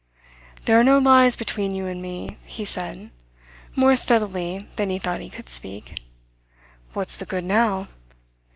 "There are no lies between you and me," he said, more steadily than he thought he could speak. "What's the good now?